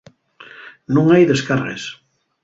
Nun hai descargues.